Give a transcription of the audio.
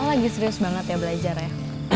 oh lagi serius banget ya belajar ya